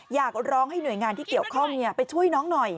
อยากร้องให้หน่วยงานที่เกี่ยวข้องไปช่วยน้องหน่อย